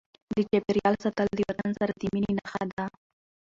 د چاپیریال ساتل د وطن سره د مینې نښه ده.